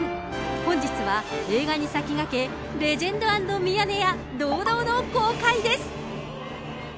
本日は映画に先駆け、レジェンド＆ミヤネ屋、堂々の公開です。